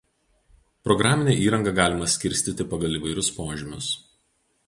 Programinę įrangą galima skirstyti pagal įvairius požymius.